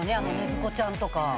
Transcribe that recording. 禰豆子ちゃんとか。